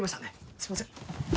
すいません。